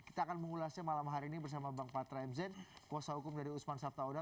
kita akan mengulasnya malam hari ini bersama bang patra mzen kuasa hukum dari usman sabtaoda